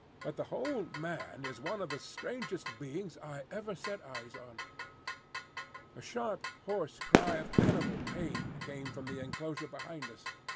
But the whole man is one of the strangest beings I ever set eyes on." A sharp, hoarse cry of animal pain came from the enclosure behind us.